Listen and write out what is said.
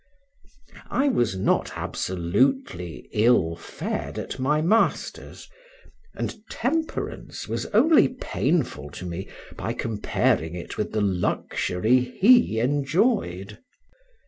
I was not absolutely ill fed at my master's, and temperance was only painful to me by comparing it with the luxury he enjoyed.